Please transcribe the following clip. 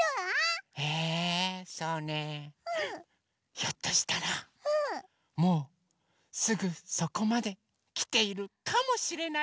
ひょっとしたらもうすぐそこまできているかもしれない。